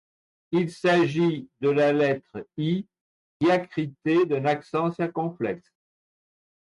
Il s’agit de la lettre I diacritée d’un accent circonflexe.